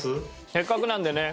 せっかくなんでね。